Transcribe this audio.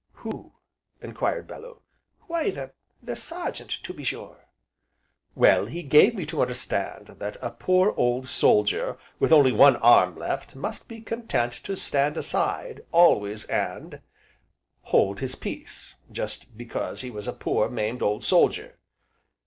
"Who?" enquired Bellew. "Why the the Sergeant, to be sure." "Well, he gave me to understand that a poor, old soldier with only one arm left him, must be content to stand aside, always and hold his peace, just because he was a poor, maimed, old soldier.